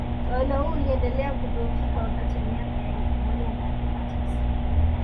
Utawala hui uliendelea kudhoofika wakati wa miaka ya elfu moja na mia tisa